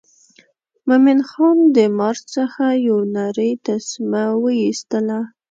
مومن خان د مار څخه یو نرۍ تسمه وایستله.